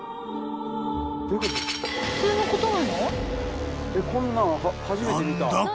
普通のことなの？